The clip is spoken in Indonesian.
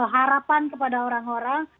harapan kepada orang orang